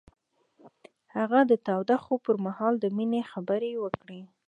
هغه د تاوده خوب پر مهال د مینې خبرې وکړې.